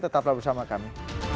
tetaplah bersama kami